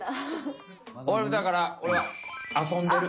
俺はだから俺は「遊んでる」。